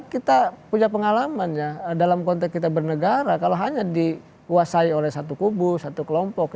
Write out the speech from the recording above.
kita punya pengalaman ya dalam konteks kita bernegara kalau hanya dikuasai oleh satu kubu satu kelompok